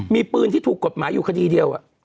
มีปืนที่ถูกกฎหมายอยู่คดีเดียว